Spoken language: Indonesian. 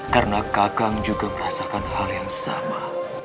karena kakak juga merasakan hal yang sama